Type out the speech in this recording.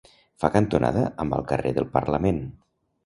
Fa cantonada amb el carrer del Parlament.